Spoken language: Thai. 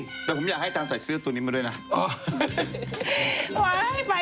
ไว้ไปดีกว่าอาจารย์ใจของคนทางรักด้วยนะคะ